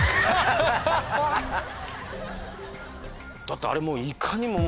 だってあれもう。